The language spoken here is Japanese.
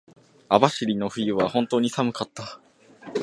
網走の冬は本当に寒かった。